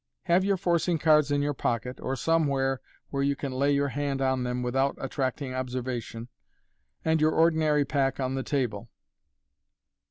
Have your forcing cards in your pocket, or somewhere where you can lay your hand on them without attracting observation, and your ordinary pack on the table.